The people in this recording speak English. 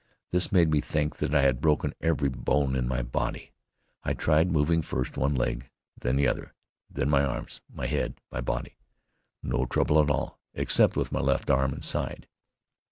This made me think that I had broken every bone in my body. I tried moving first one leg, then the other, then my arms, my head, my body. No trouble at all, except with my left arm and side.